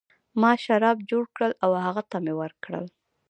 ما شراب جوړ کړل او هغه ته مې ورکړل.